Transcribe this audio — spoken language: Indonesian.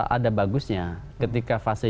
ada bagusnya ketika fase